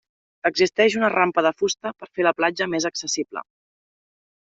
Existeix una rampa de fusta per fer la platja més accessible.